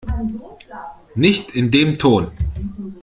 Nicht in dem Ton!